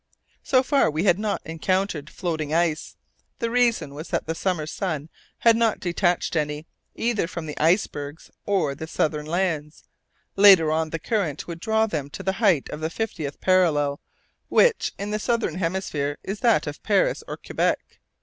So far we had not encountered floating ice. The reason was that the summer sun had not detached any, either from the icebergs or the southern lands. Later on, the current would draw them to the height of the fiftieth parallel, which, in the southern hemisphere, is that of Paris or Quebec.